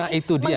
nah itu dia